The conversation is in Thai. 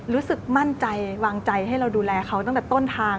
รู้สึกมั่นใจวางใจให้เราดูแลเขาตั้งแต่ต้นทาง